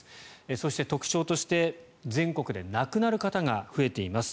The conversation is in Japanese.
そして、特徴として全国で亡くなる方が増えています。